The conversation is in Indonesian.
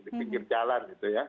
di pinggir jalan